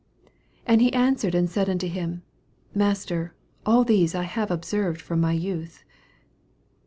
20 And he answered and said unto him, Master, all these have I observed from my youth.